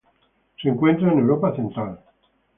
Se encuentra en Europa central.